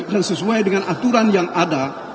dan sesuai dengan aturan yang ada